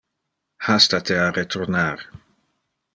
Hasta te a retornar.